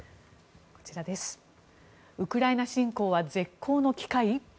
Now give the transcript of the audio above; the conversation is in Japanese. ウクライナ侵攻は絶好の機会？